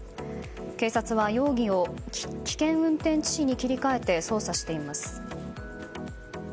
警察は容疑を危険運転致死に切り替えて捜査しています。